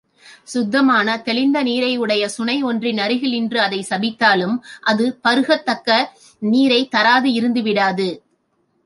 சுத்தமான தெளிந்த நீரையுடைய சுனையொன்றின் அருகே நின்று அதைச் சபித்தாலும் அது பருகத் தக்க நீரைத் தராது இருந்துவிடாது.